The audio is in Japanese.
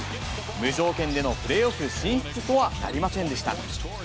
無条件でのプレーオフ進出とはなりませんでした。